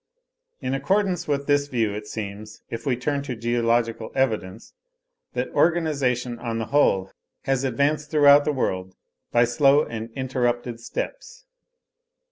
In accordance with this view it seems, if we turn to geological evidence, that organisation on the whole has advanced throughout the world by slow and interrupted steps.